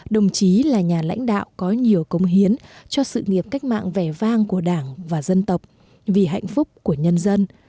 đồng chí là nhà lãnh đạo có nhiều công hiến cho sự nghiệp cách mạng vẻ vang của đảng và dân tộc vì hạnh phúc của nhân dân